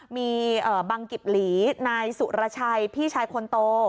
มีบังกิบหลีนายสุรชัยพี่ชายคนโต